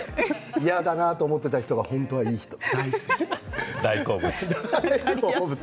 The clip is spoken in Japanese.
嫌だなと思っていた人が本当はいい人、大好き。